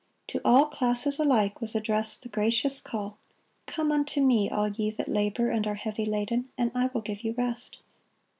To all classes alike was addressed the gracious call, "Come unto Me, all ye that labor and are heavy laden, and I will give you rest."